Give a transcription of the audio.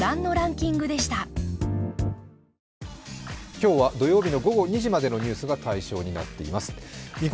今日は土曜日の午後２時までのニュースが対象になっています。